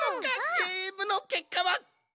ゲームのけっかは？